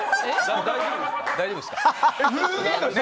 大丈夫ですか？